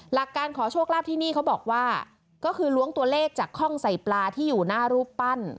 หลักการขอโชคลาภที่นี่เขาบอกว่าก็คือล้วงตัวเลขจากข้องใส่ปลาที่อยู่หน้ารูปปั้น